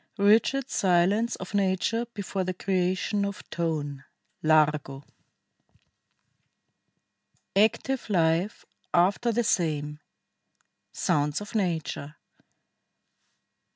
86 1. RIGID SILENCE OF NATURE BEFORE THE CREATION OF TONE (Largo) ACTIVE LIFE AFTER THE SAME. SOUNDS OF NATURE.